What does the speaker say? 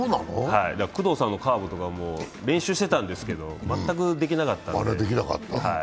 工藤さんのカーブとかも練習してたんですけど全くできなかったんで。